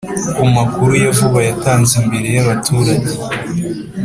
ku makuru ya vuba yatanze imbere y’ abaturage